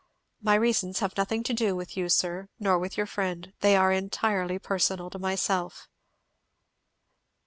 "My reasons have nothing to do with you, sir, nor with your friend; they are entirely personal to myself."